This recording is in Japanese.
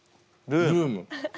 「ルーム」！